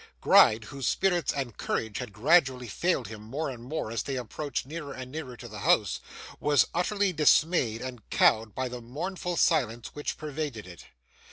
Gride, whose spirits and courage had gradually failed him more and more as they approached nearer and nearer to the house, was utterly dismayed and cowed by the mournful silence which pervaded it.